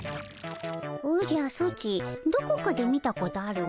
おじゃソチどこかで見たことあるの。